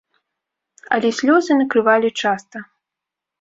Але слёзы накрывалі часта.